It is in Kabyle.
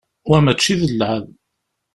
Wa mačči d llεeb.